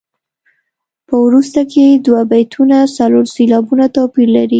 په وروسته کې دوه بیتونه څلور سېلابه توپیر لري.